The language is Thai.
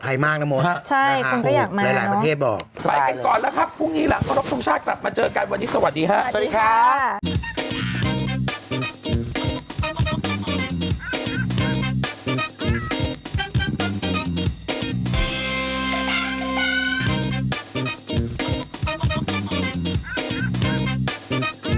ติดต่อติดต่อ